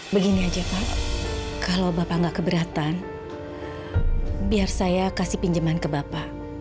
begini aja pak kalau bapak nggak keberatan biar saya kasih pinjaman ke bapak